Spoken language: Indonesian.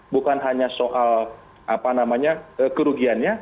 bukan hanya soal apa namanya kerugiannya